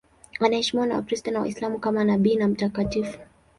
Anaheshimiwa na Wakristo na Waislamu kama nabii na mtakatifu.